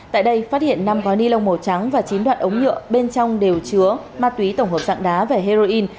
tại đây phát hiện năm gói ni lông màu trắng và chín đoạn ống nhựa bên trong đều chứa ma túy tổng hợp dạng đá và heroin